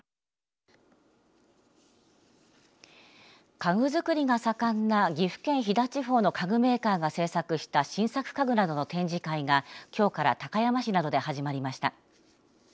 家具作りが盛んな岐阜県飛騨地方の家具メーカーが製作した新作家具などの展示会がきょうから高山市などで始まりました。